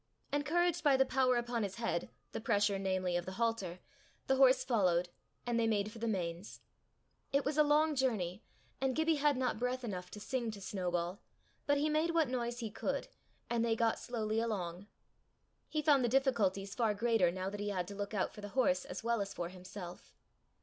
Encouraged by the power upon his head, the pressure, namely, of the halter, the horse followed, and they made for the Mains. It was a long journey, and Gibbie had not breath enough to sing to Snowball, but he made what noise he could, and they got slowly along. He found the difficulties far greater now that he had to look out for the horse as well as for himself.